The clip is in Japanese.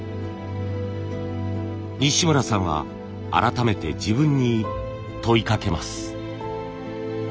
西村さんは改めて自分に問いかけます。